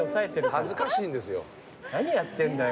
何やってんだよ。